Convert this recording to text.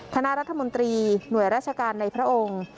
คณะรัฐมนตรีหน่วยราชการในพระองค์